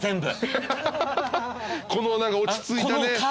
この何か落ち着いたね。